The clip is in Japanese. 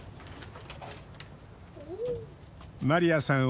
マリアさん